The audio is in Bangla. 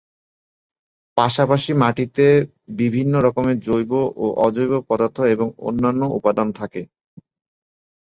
পাশাপাশি, মাটিতে বিভিন্ন রকমের জৈব ও অজৈব পদার্থ এবং অন্যান্য উপাদান থাকে।